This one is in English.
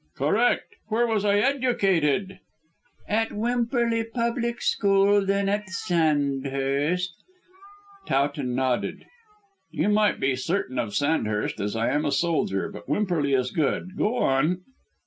"Correct. Where was I educated?" "At Wimperly Public School, and then at Sandhurst." Towton nodded. "You might be certain of Sandhurst, as I am a soldier, but Wimperly is good. Go on."